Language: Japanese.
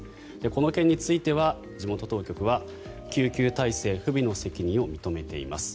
この件については地元当局は救急体制不備の責任を認めています。